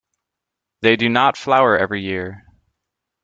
They do not flower every year.